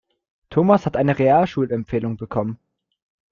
Thomas hat eine Realschulempfehlung bekommen.